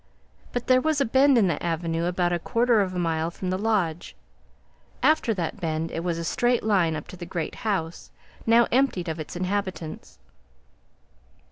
But there was a bend in the avenue about a quarter of a mile from the lodge; after that bend it was a straight line up to the great house, now emptied of its inhabitants.